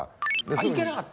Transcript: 行けなかった。